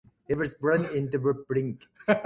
He was born in Rolbik.